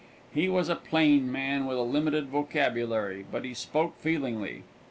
He was a plain man with a limited vocabulary, but he spoke feelingly.